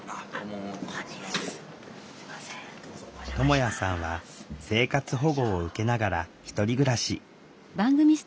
ともやさんは生活保護を受けながら１人暮らし。